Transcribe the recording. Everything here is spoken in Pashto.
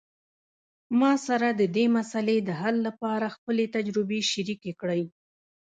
ما سره د دې مسئلې د حل لپاره خپلې تجربې شریکي کړئ